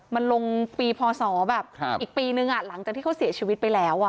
มันลงปีพศแบบอีกปีนึงหลังจากที่เขาเสียชีวิตไปแล้ว